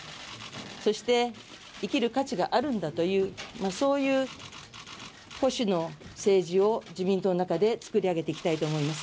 そして生きる価値があるんだという保守の政治を自民党の中で作り上げていきたいと思います。